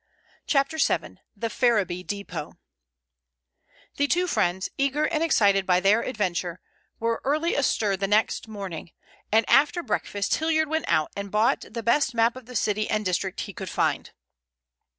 CHAPTER VII. THE FERRIBY DEPOT The two friends, eager and excited by their adventure, were early astir next morning, and after breakfast Hilliard went out and bought the best map of the city and district he could find.